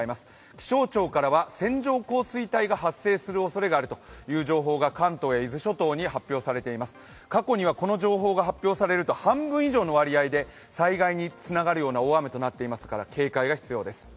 気象庁からは線状降水帯が発生するおれそがあるという情報が関東や伊豆諸島に発表されています、過去にはこの情報が発表されると半分以上の割合で災害につながるような大雨となっていますから警戒が必要です。